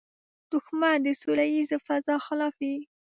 دښمن د سولیزې فضا خلاف وي